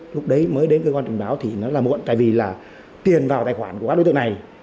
lúc đấy mới đến cơ quan trình báo thì nó là muộn tại vì là tiền vào tài khoản của các đối tượng này